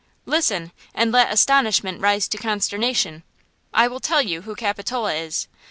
"Listen, and let astonishment rise to consternation. I will tell you who Capitola is.